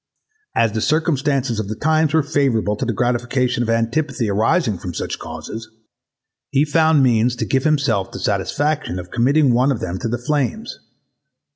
As the circumstances of the times were favourable to [the] gratification of antipathy arising from such causes, he found means to give himself the satisfaction of committing one of them to the flames.